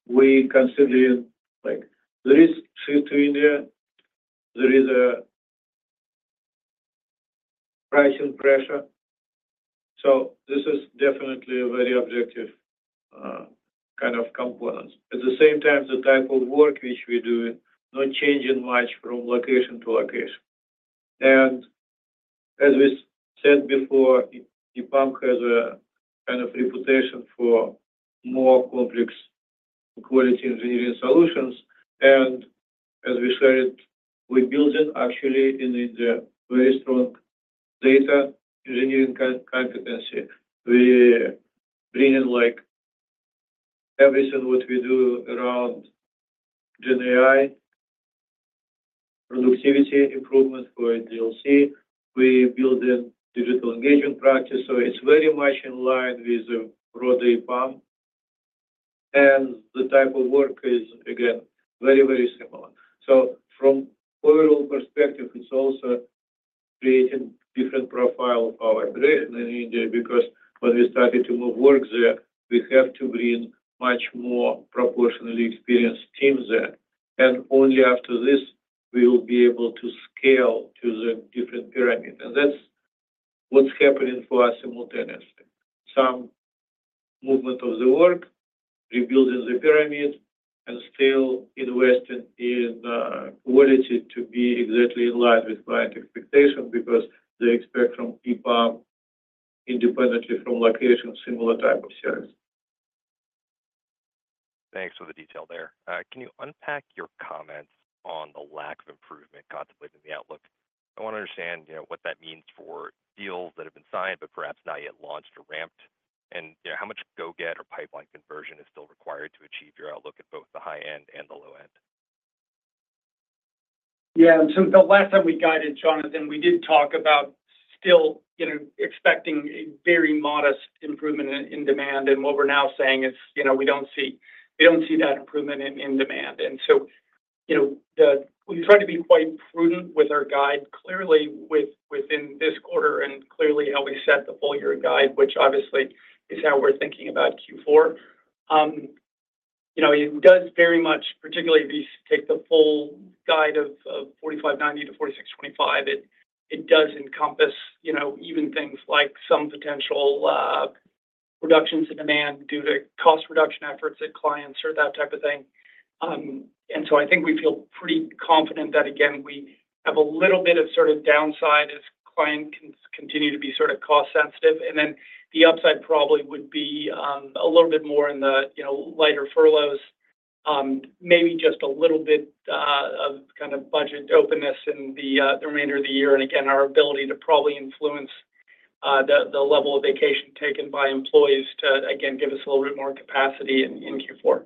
We consider there is shift to India. There is a rising pressure. So this is definitely a very objective kind of component. At the same time, the type of work which we do is not changing much from location to location. And as we said before, EPAM has a kind of reputation for more complex quality engineering solutions. And as we shared, we're building actually in India very strong data engineering competency. We're bringing everything what we do around GenAI, productivity improvement for DLC. We're building digital engagement practices. So it's very much in line with the broader EPAM. And the type of work is, again, very, very similar. So from overall perspective, it's also creating different profile of our operation in India because when we started to move work there, we have to bring much more proportionally experienced teams there. And only after this we will be able to scale to the different pyramid. And that's what's happening for us simultaneously. Some movement of the work, rebuilding the pyramid, and still investing in quality to be exactly in line with client expectations because they expect from EPAM, independently from location, similar type of service. Thanks for the detail there. Can you unpack your comments on the lack of improvement contemplated in the outlook? I want to understand what that means for deals that have been signed, but perhaps not yet launched or ramped, and how much go-get or pipeline conversion is still required to achieve your outlook at both the high end and the low end? Yeah. The last time we guided Jonathan, we did talk about still expecting a very modest improvement in demand. What we're now saying is we don't see that improvement in demand. We try to be quite prudent with our guide, clearly within this quarter and clearly how we set the full year guide, which obviously is how we're thinking about Q4. It does very much, particularly if you take the full guide of $4,590 million-$4,625 million, it does encompass even things like some potential reductions in demand due to cost reduction efforts at clients or that type of thing. I think we feel pretty confident that, again, we have a little bit of sort of downside as clients continue to be sort of cost sensitive. And then the upside probably would be a little bit more in the lighter furloughs, maybe just a little bit of kind of budget openness in the remainder of the year. And again, our ability to probably influence the level of vacation taken by employees to, again, give us a little bit more capacity in Q4.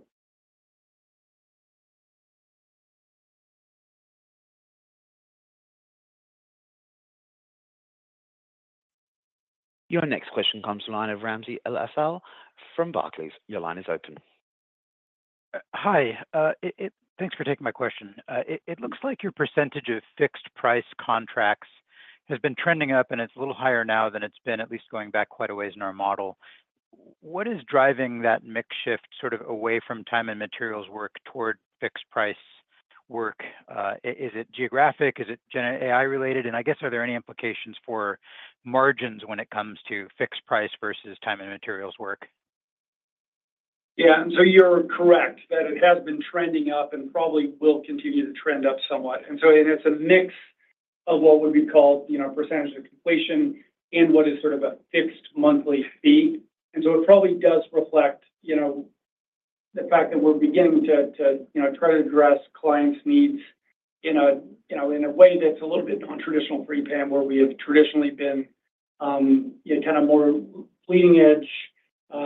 Your next question comes from the line of Ramsey El-Assal from Barclays. Your line is open. Hi. Thanks for taking my question. It looks like your percentage of fixed price contracts has been trending up, and it's a little higher now than it's been, at least going back quite a ways in our model. What is driving that mix shift sort of away from time and materials work toward fixed price work? Is it geographic? Is it AI related? And I guess, are there any implications for margins when it comes to fixed price versus time and materials work? Yeah. And so you're correct that it has been trending up and probably will continue to trend up somewhat. And so it's a mix of what would be called percentage of completion and what is sort of a fixed monthly fee. And so it probably does reflect the fact that we're beginning to try to address clients' needs in a way that's a little bit non-traditional pre-EPAM where we have traditionally been kind of more leading edge,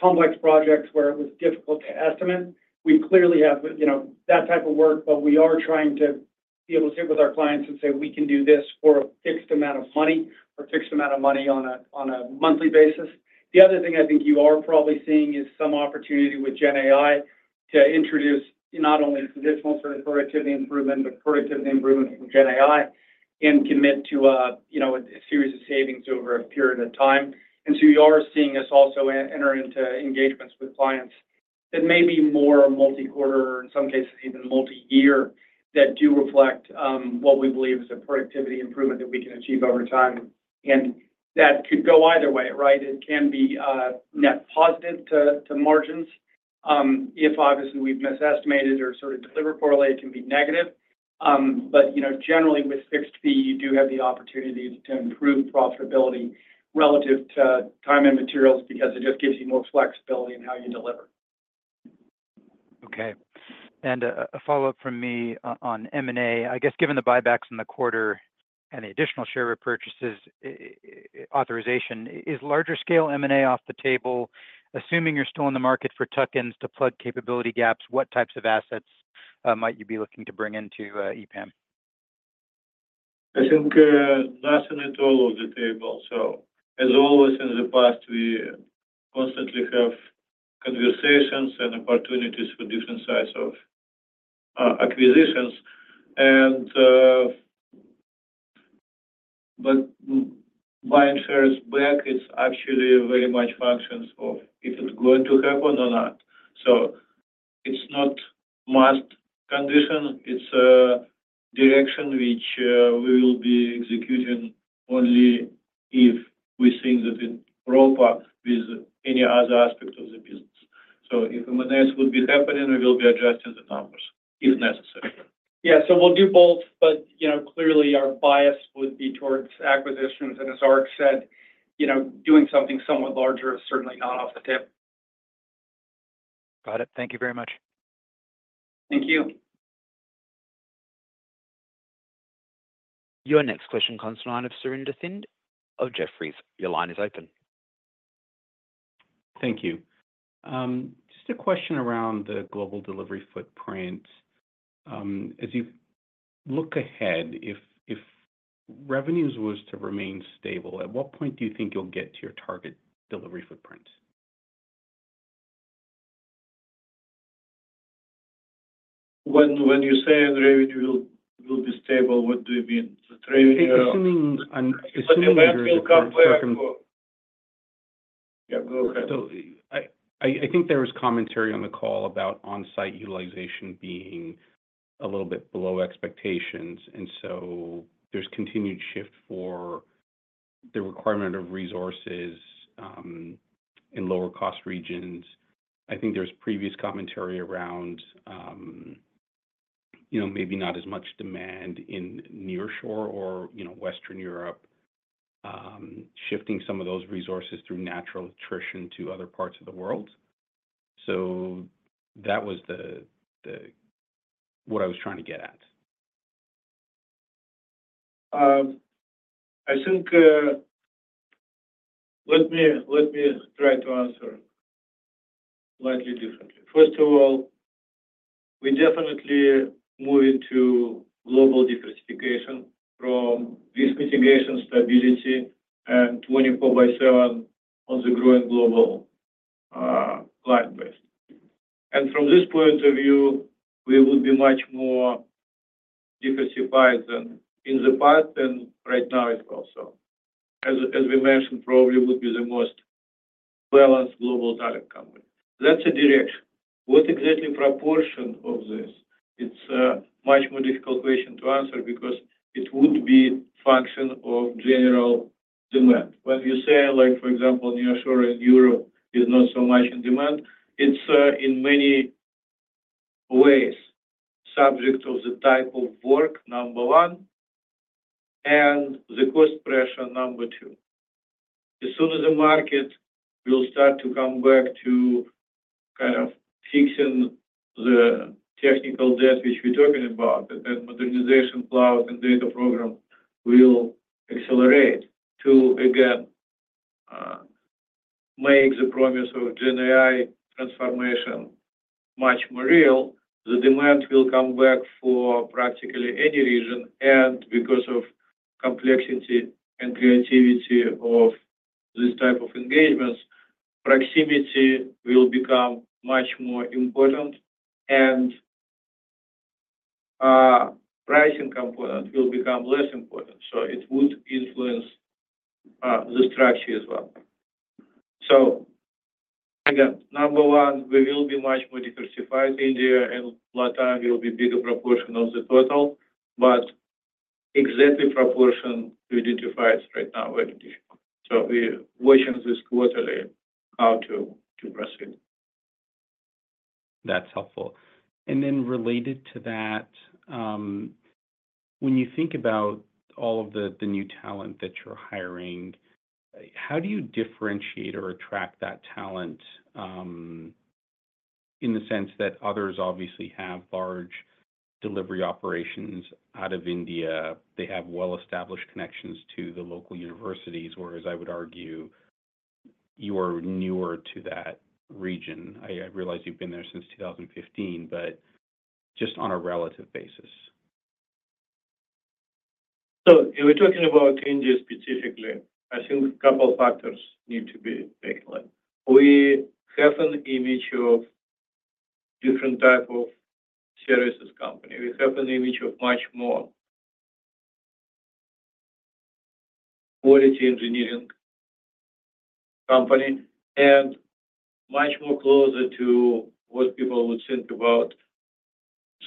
complex projects where it was difficult to estimate. We clearly have that type of work, but we are trying to be able to sit with our clients and say, "We can do this for a fixed amount of money or fixed amount of money on a monthly basis." The other thing I think you are probably seeing is some opportunity with GenAI to introduce not only conditional sort of productivity improvement, but productivity improvement with GenAI and commit to a series of savings over a period of time. And so you are seeing us also entering into engagements with clients that may be more multi-quarter, or in some cases even multi-year, that do reflect what we believe is a productivity improvement that we can achieve over time. And that could go either way, right? It can be net positive to margins. If obviously we've misestimated or sort of delivered poorly, it can be negative. But generally, with fixed fee, you do have the opportunity to improve profitability relative to time and materials because it just gives you more flexibility in how you deliver. Okay. A follow-up from me on M&A. I guess, given the buybacks in the quarter and the additional share repurchases authorization, is larger scale M&A off the table? Assuming you're still in the market for tuck-ins to plug capability gaps, what types of assets might you be looking to bring into EPAM? I think that's an adorable detail also. As always in the past, we constantly have conversations and opportunities for different sides of acquisitions. But buying shares back is actually very much functions of if it's going to happen or not. So it's not a must condition. It's a direction which we will be executing only if we think that we roll back with any other aspect of the business. So if M&As would be happening, we will be adjusting the numbers if necessary. Yeah. So we'll do both, but clearly our bias would be towards acquisitions. And as Art said, doing something somewhat larger is certainly not off the table. Got it. Thank you very much. Thank you. Your next question comes from the line of Surinder Thind of Jefferies. Your line is open. Thank you. Just a question around the global delivery footprint. As you look ahead, if revenues were to remain stable, at what point do you think you'll get to your target delivery footprint? When you say revenue will be stable, what do you mean? The revenue is going to be stable. Yeah, go ahead. So I think there was commentary on the call about onsite utilization being a little bit below expectations. And so there's continued shift for the requirement of resources in lower-cost regions. I think there's previous commentary around maybe not as much demand in nearshore or Western Europe shifting some of those resources through natural attrition to other parts of the world. So that was what I was trying to get at. I think let me try to answer slightly differently. First of all, we definitely move into global diversification from risk mitigation stability and 24 by 7 on the growing global client base. And from this point of view, we would be much more diversified than in the past than right now it comes from. As we mentioned, probably would be the most balanced global talent company. That's a direction. What exactly proportion of this? It's a much more difficult question to answer because it would be a function of general demand. When you say, for example, nearshore in Europe is not so much in demand, it's in many ways subject to the type of work, number one, and the cost pressure, number two. As soon as the market will start to come back to kind of fixing the technical debt which we're talking about, that modernization cloud and data program will accelerate to, again, make the promise of GenAI transformation much more real. The demand will come back for practically any region. And because of complexity and creativity of this type of engagements, proximity will become much more important, and pricing component will become less important. So it would influence the structure as well. So again, number one, we will be much more diversified. India and LATAM will be a bigger proportion of the total, but exactly proportion to identify right now very difficult. So we're watching this quarterly how to proceed. That's helpful. And then related to that, when you think about all of the new talent that you're hiring, how do you differentiate or attract that talent in the sense that others obviously have large delivery operations out of India? They have well-established connections to the local universities, whereas I would argue you are newer to that region. I realize you've been there since 2015, but just on a relative basis. So if we're talking about India specifically, I think a couple of factors need to be taken in mind. We have an image of different type of services company. We have an image of much more quality engineering company and much more closer to what people would think about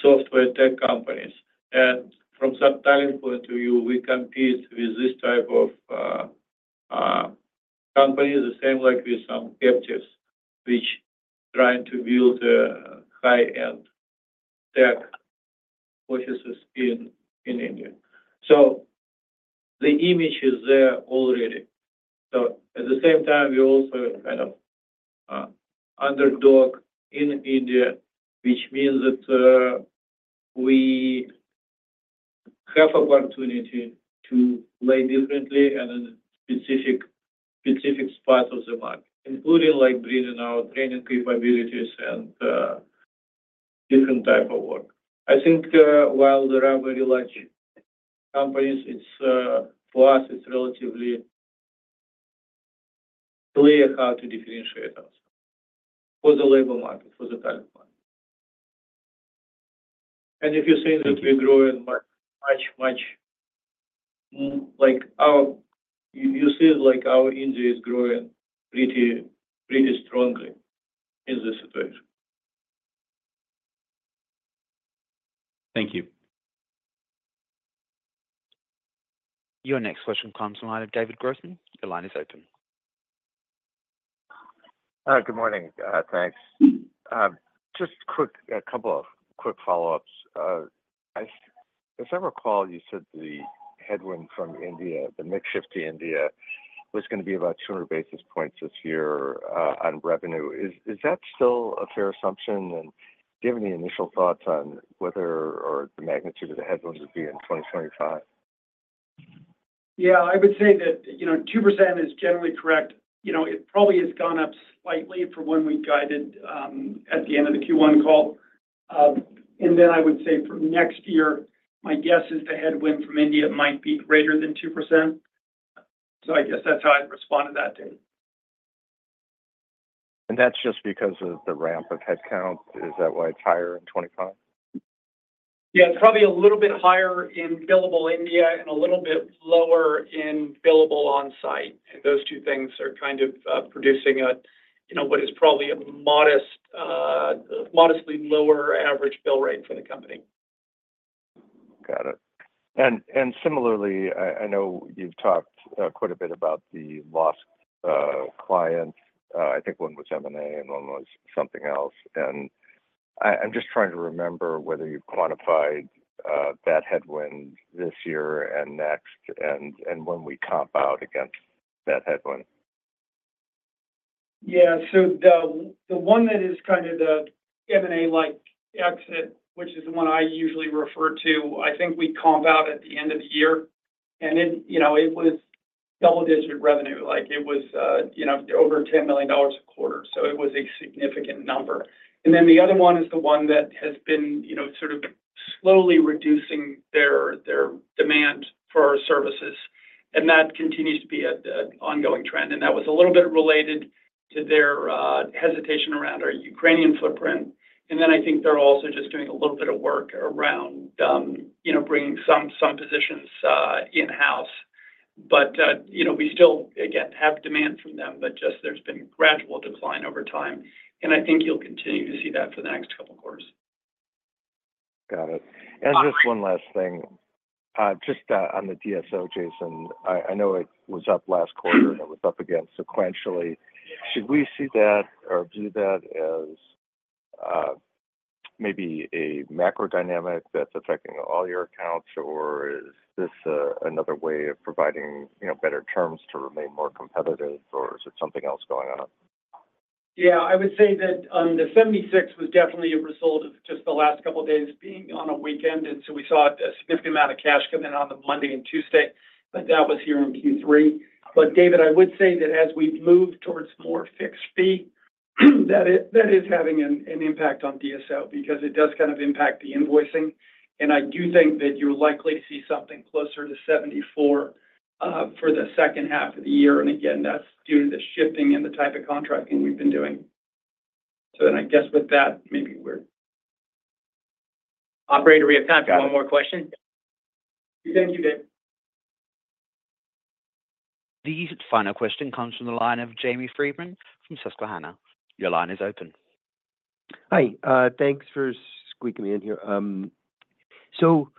software tech companies. From that talent point of view, we compete with this type of company, the same like with some captives which are trying to build high-end tech offices in India. So the image is there already. At the same time, we're also kind of underdog in India, which means that we have an opportunity to play differently and in specific parts of the market, including bringing out training capabilities and different type of work. I think while there are very large companies, for us, it's relatively clear how to differentiate us for the labor market, for the talent market. If you say that we're growing much, much like our if you see like our India is growing pretty strongly in this situation. Thank you. Your next question comes from the line of David Grossman. The line is open. Good morning. Thanks. Just a couple of quick follow-ups. If I recall, you said the headwind from India, the mix shift to India, was going to be about 200 basis points this year on revenue. Is that still a fair assumption? And do you have any initial thoughts on whether or the magnitude of the headwinds would be in 2025? Yeah, I would say that 2% is generally correct. It probably has gone up slightly for when we guided at the end of the Q1 call. And then I would say for next year, my guess is the headwind from India might be greater than 2%. So I guess that's how I responded that day. And that's just because of the ramp of headcount. Is that why it's higher in 2025? Yeah, it's probably a little bit higher in billable India and a little bit lower in billable on-site. And those two things are kind of producing what is probably a modestly lower average bill rate for the company. Got it. And similarly, I know you've talked quite a bit about the lost clients. I think one was M&A and one was something else. And I'm just trying to remember whether you quantified that headwind this year and next and when we comp out against that headwind. Yeah. So the one that is kind of the M&A-like exit, which is the one I usually refer to, I think we comp out at the end of the year. And then it was double-digit revenue. It was over $10 million a quarter. So it was a significant number. And then the other one is the one that has been sort of slowly reducing their demand for our services. And that continues to be an ongoing trend. And that was a little bit related to their hesitation around our Ukrainian footprint. And then I think they're also just doing a little bit of work around bringing some positions in-house. But we still, again, have demand from them, but just there's been a gradual decline over time. And I think you'll continue to see that for the next couple of quarters. Got it. And just one last thing. Just on the DSO, Jason, I know it was up last quarter and it was up again sequentially. Should we see that or view that as maybe a macro dynamic that's affecting all your accounts, or is this another way of providing better terms to remain more competitive, or is it something else going on? Yeah, I would say that on the 76 was definitely a result of just the last couple of days being on a weekend. And so we saw a significant amount of cash coming on Monday and Tuesday, but that was here in Q3. But David, I would say that as we've moved towards more fixed fee, that is having an impact on DSO because it does kind of impact the invoicing. And I do think that you're likely to see something closer to 74 for the second half of the year. And again, that's due to the shifting and the type of contracting we've been doing. So then I guess with that, maybe we're now ready to wrap up. Got one more question. Thank you, David. The final question comes from the line of Jamie Friedman from Susquehanna. Your line is open. Hi. Thanks for squeaking me in here. So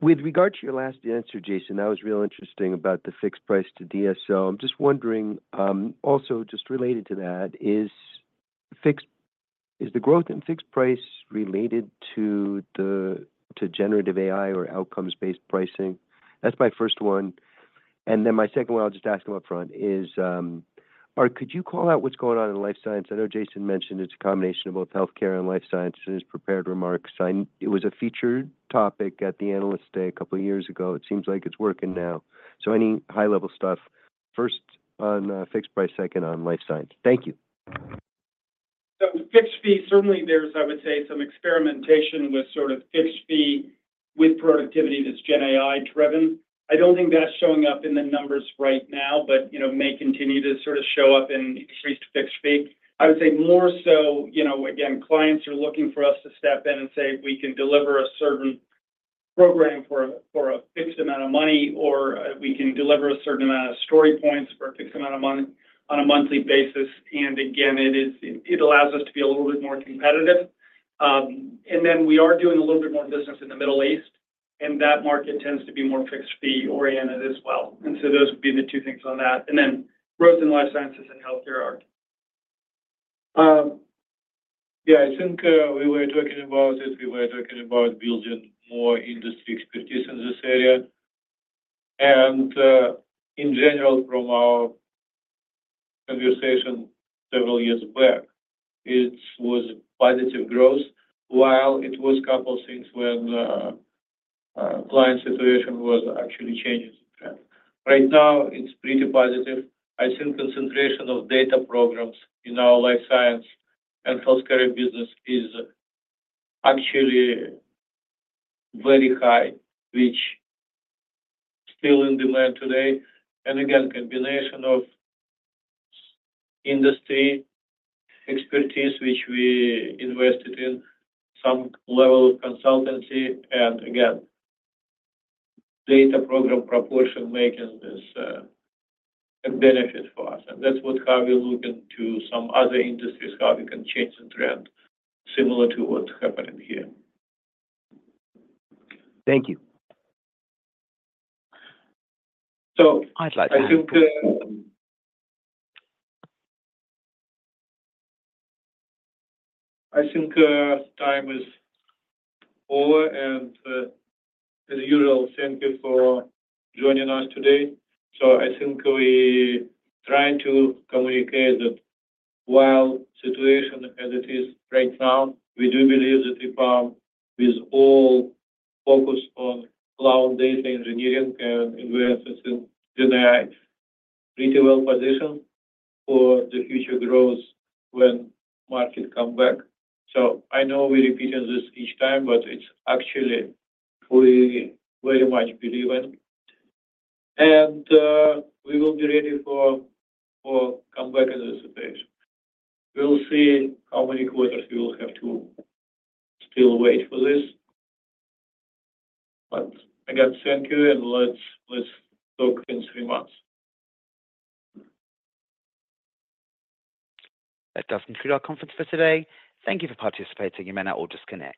with regard to your last answer, Jason, that was real interesting about the fixed price to DSO. I'm just wondering also, just related to that, is the growth in fixed price related to generative AI or outcomes-based pricing? That's my first one. And then my second one, I'll just ask them upfront, is could you call out what's going on in life sciences? I know Jason mentioned it's a combination of both healthcare and life sciences and his prepared remarks. It was a featured topic at the analyst day a couple of years ago. It seems like it's working now. So any high-level stuff, first on fixed price, second on life science. Thank you. Fixed fee, certainly there's, I would say, some experimentation with sort of fixed fee with productivity that's GenAI-driven. I don't think that's showing up in the numbers right now, but may continue to sort of show up in increased fixed fee. I would say more so, again, clients are looking for us to step in and say, "We can deliver a certain program for a fixed amount of money," or, "We can deliver a certain amount of story points for a fixed amount of money on a monthly basis." And again, it allows us to be a little bit more competitive. And then we are doing a little bit more business in the Middle East, and that market tends to be more fixed fee oriented as well. Those would be the two things on that. Then growth in life sciences and healthcare, Art. Yeah, I think we were talking about that. We were talking about building more industry expertise in this area. And in general, from our conversation several years back, it was positive growth, while it was a couple of things when client situation was actually changing. Right now, it's pretty positive. I think concentration of data programs in our life science and healthcare business is actually very high, which is still in demand today. And again, combination of industry expertise, which we invested in some level of consultancy, and again, data program proportion making this a benefit for us. And that's how we're looking to some other industries, how we can change the trend similar to what's happening here. Thank you. So I'd like to ask. I think time is over. As usual, thank you for joining us today. So I think we're trying to communicate that while the situation as it is right now, we do believe that if with all focus on cloud data engineering and advancing GenAI, pretty well positioned for the future growth when the market comes back. So I know we repeated this each time, but it's actually we very much believe in. And we will be ready for comeback in this situation. We'll see how many quarters we will have to still wait for this. But I got to thank you, and let's talk in three months. That does conclude our conference for today. Thank you for participating. You may now all disconnect.